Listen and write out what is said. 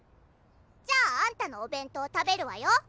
じゃああんたのお弁当食べるわよ。